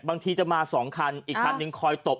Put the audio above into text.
บางทีจะมา๒คันอีกคันนึงคอยตบ